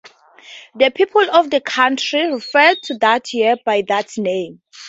The people of the country referred to that year by that name.